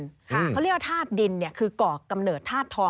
เขาเรียกว่าธาตุดินคือก่อกำเนิดธาตุทอง